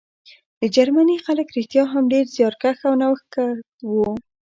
د جرمني خلک رښتیا هم ډېر زیارکښ او نوښتګر وو